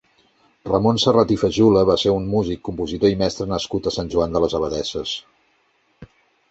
Ramon Serrat i Fajula va ser un músic, compositor i mestre nascut a Sant Joan de les Abadesses.